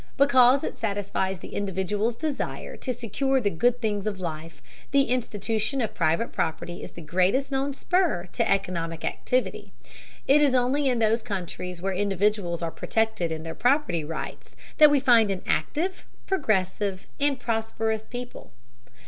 Because it satisfies the individual's desire to secure the good things of life, the institution of private property is the greatest known spur to economic activity, It is only in those countries where individuals are protected in their property rights that we find an active, progressive, and prosperous people.